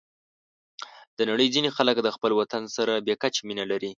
د نړۍ ځینې خلک د خپل وطن سره بې کچې مینه لري.